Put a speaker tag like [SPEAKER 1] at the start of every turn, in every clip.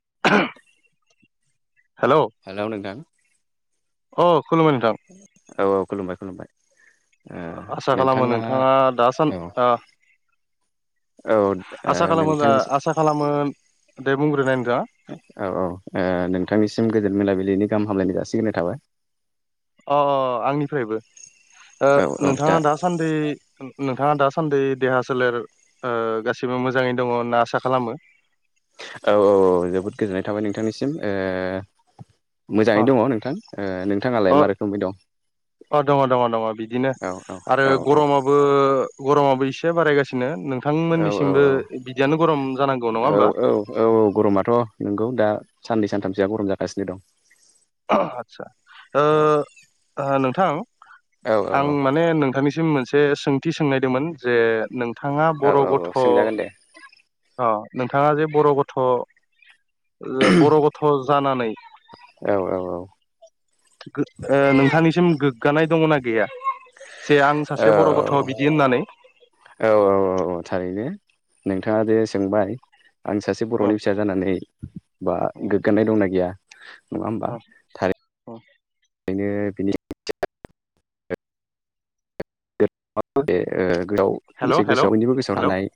[SPEAKER 1] [unintelligible] Hello
[SPEAKER 2] hello नोंथां
[SPEAKER 1] अ खुलुमबाय नोंथां।
[SPEAKER 2] औ औ खुलुमबाय खुलुमबाय ओ
[SPEAKER 1] आसा खालामो नोंथाङा दासान
[SPEAKER 2] औ
[SPEAKER 1] ओ
[SPEAKER 2] औ ओ
[SPEAKER 1] आसा खालामो दा
[SPEAKER 2] नोंथांनिसि
[SPEAKER 1] आसा खालामो दे बुंग्रोनाय नोंथाङा
[SPEAKER 2] औ औ नोंथांनिसिम गोजोन मोनलााबिलिनि गाहाम हामलायनाय जासिगोननाय थाबाय।
[SPEAKER 1] अह आंनिफ्रायबो ओ
[SPEAKER 2] औ औ दा
[SPEAKER 1] नोंथाङा दासान्दि नोंथाङा दासान्दि देहा सोलेर ओ गासिबो मोजाङै दङ होनना आसा खालामो
[SPEAKER 2] औ औ जोबोद गोजोननाय थाबाय ओ नोंथांनिसिम मोजाङै
[SPEAKER 1] अ
[SPEAKER 2] दङ नोंथां ओ नोंथाङालाय मा रोखोमै दं?
[SPEAKER 1] अह दङ दङ दङ बिदिनो
[SPEAKER 2] औ
[SPEAKER 1] आरो
[SPEAKER 2] औ औ
[SPEAKER 1] गरमाबो गरमाबो इसे एसे बारायगासिनो नों
[SPEAKER 2] औ
[SPEAKER 1] नोंथांमोननिसिमबो बिदियानो गरम जानांगौ नङा
[SPEAKER 2] औ
[SPEAKER 1] होमबा?
[SPEAKER 2] औ औ गरमाथ' नोंगौ दा साननै सानथामसोआ गरम जागासिनो दं।
[SPEAKER 1] आदसा ओ
[SPEAKER 2] औ
[SPEAKER 1] नोंथां
[SPEAKER 2] औ औ
[SPEAKER 1] आं
[SPEAKER 2] औ
[SPEAKER 1] माने नोंथांनि मोनसे सोंथि सोंनायदोंमोन जे नोंथाङा
[SPEAKER 2] औ
[SPEAKER 1] बर
[SPEAKER 2] औ
[SPEAKER 1] गथ
[SPEAKER 2] औ सोंजागोन दे
[SPEAKER 1] अ नोंथाङा जे बर गथ बर गथ जानानै
[SPEAKER 2] औ औ
[SPEAKER 1] नोंथांनिसिम गोग्गानाय दङना गैया? जे आं
[SPEAKER 2] औ
[SPEAKER 1] सासे बर गथ बिदि होननानै
[SPEAKER 2] औ औ औ थारैनो नोंथाङा जे सोंबाय आं सासे
[SPEAKER 1] अ
[SPEAKER 2] बरनि फिसा जानानै बा गोग्गानाय दंना गैया? नङा
[SPEAKER 1] औ औ
[SPEAKER 2] ओंखायनो बिनि बे गोगोगाव ओ
[SPEAKER 1] हेल'
[SPEAKER 2] मोनसे
[SPEAKER 1] हेल'
[SPEAKER 2] गोसो बयनिबो गोसोआव
[SPEAKER 1] हेल'
[SPEAKER 2] थानाय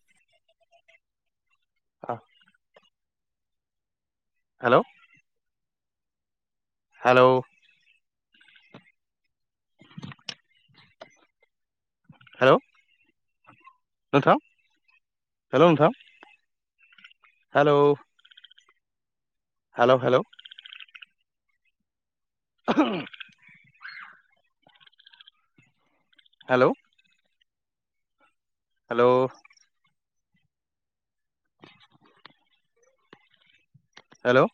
[SPEAKER 1] औ हेलोव हेलोव हेलोव नोंथां हेलोव नोंथां hello hello hello [inaudible] hello hello [inaudible] hello